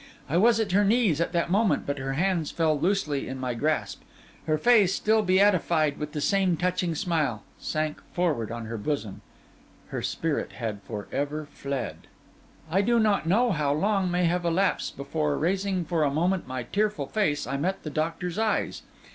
I was at her knees that moment; but her hands fell loosely in my grasp; her face, still beatified with the same touching smile, sank forward on her bosom: her spirit had for ever fled. I do not know how long may have elapsed before, raising for a moment my tearful face, I met the doctor's eyes.